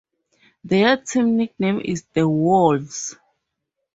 Their team nickname is "The Wolves".